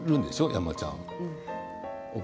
山ちゃん。